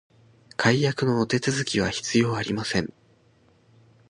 解約のお手続きは必要ありません